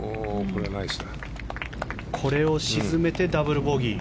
これを沈めてダブルボギー。